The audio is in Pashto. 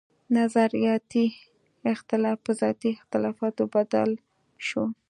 نظرياتي اختلافات پۀ ذاتي اختلافاتو بدل شو